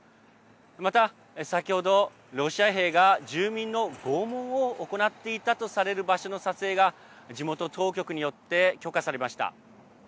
また、先ほどロシア兵が住民の拷問を行っていたとされる場所の撮影が地元当局によって許可されました。